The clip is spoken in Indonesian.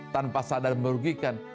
tanpa sadar merugikan